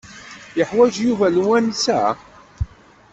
Yeḥwaj Yuba lemwansa?